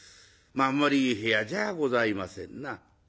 あんまりいい部屋じゃございませんな。